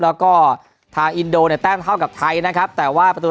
แล้วก็ทางอินโดเนี่ยแต้มเท่ากับไทยนะครับแต่ว่าประตู